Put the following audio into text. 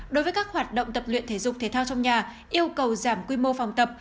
đối với các hoạt động tập luyện thể dục thể thao trong nhà yêu cầu giảm quy mô phòng tập